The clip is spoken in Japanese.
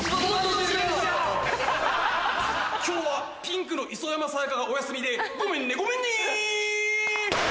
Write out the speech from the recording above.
今日はピンクの磯山さやかがお休みでごめんねごめんね！